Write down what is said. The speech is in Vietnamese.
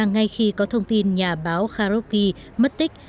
ngay khi có thông tin nhà báo kharogi mất tích